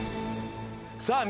さあ